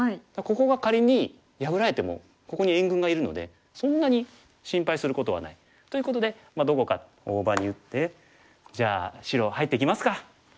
ここが仮に破られてもここに援軍がいるのでそんなに心配することはない。ということでどこか大場に打ってじゃあ白入ってきますか。